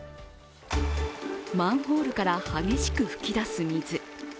マンホールから激しく噴き出す水。